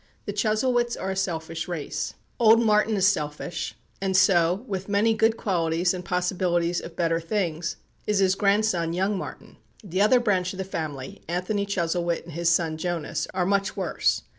The Chuzzlewits are a selfish race. Old Martin is selfish; and so, with many good qualities and possibilities of better things, is his grandson, young Martin. The other branch of the family, Anthony Chuzzlewit and his son Jonas, are much worse.